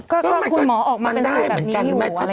ก็คุณหมอออกมาเป็นส่วนแบบนี้อยู่